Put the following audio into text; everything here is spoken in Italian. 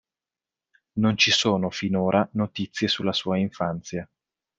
Non ci sono finora notizie sulla sua infanzia.